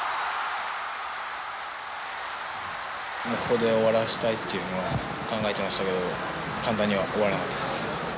ここで終わらせたいっていうのは考えてましたけど簡単には終わらなかったです。